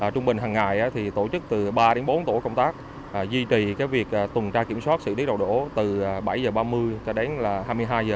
trung bình hằng ngày tổ chức từ ba đến bốn tổ công tác duy trì việc tuần tra kiểm soát xử lý đầu đổ từ bảy h ba mươi cho đến hai mươi hai h